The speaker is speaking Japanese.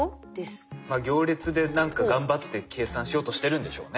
行列で何か頑張って計算しようとしてるんでしょうね。